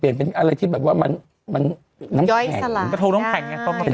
เปลี่ยนเป็นอะไรที่แบบว่ามันน้ำแข็ง